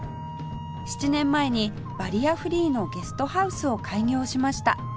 ７年前にバリアフリーのゲストハウスを開業しました